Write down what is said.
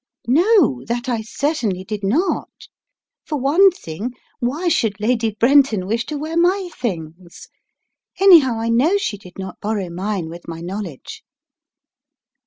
"No, that I certainly did not. For one thing, why should Lady Brenton wish to wear my things? Any how, I know she did not borrow mine with my knowl edge."